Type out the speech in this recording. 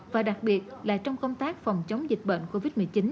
và đặc biệt là trong công tác phòng chống dịch bệnh covid một mươi chín